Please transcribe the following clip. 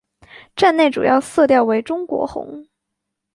站内主要色调为中国红。